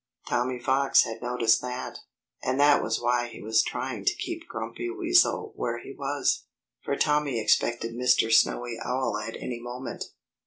Tommy Fox had noticed that. And that was why he was trying to keep Grumpy Weasel where he was. For Tommy expected Mr. Snowy Owl at any moment.